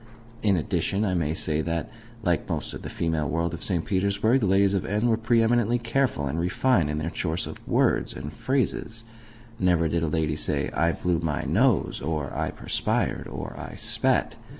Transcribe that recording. In addition, I may say that, like most of the female world of St. Petersburg, the ladies of N. were pre eminently careful and refined in their choice of words and phrases. Never did a lady say, "I blew my nose," or "I perspired," or "I spat."